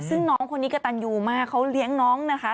ซึ่งน้องคนนี้กระตันยูมากเขาเลี้ยงน้องนะคะ